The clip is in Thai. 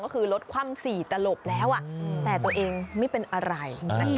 ก็คือรถคว่ำ๔ตลบแล้วแต่ตัวเองไม่เป็นอะไร